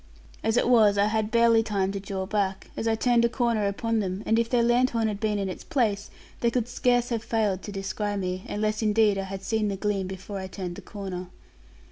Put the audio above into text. As it was, I had barely time to draw back, as I turned a corner upon them; and if their lanthorn had been in its place, they could scarce have failed to descry me, unless indeed I had seen the gleam before I turned the corner.